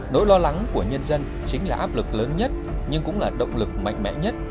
nỗi lo lắng của nhân dân chính là áp lực lớn nhất nhưng cũng là động lực mạnh mẽ nhất